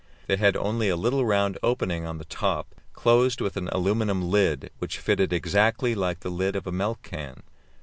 They had only a little round opening on the top, closed with an aluminium lid, which fitted exactly like the lid of a milk can.